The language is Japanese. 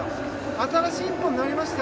新しい一歩になりました。